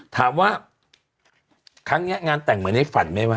ถามว่าครั้งนี้งานแต่งเหมือนในฝันไหมวะ